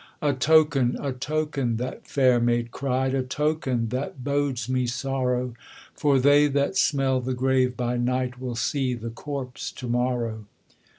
'A token, a token!' that fair maid cried, 'A token that bodes me sorrow; For they that smell the grave by night Will see the corpse to morrow.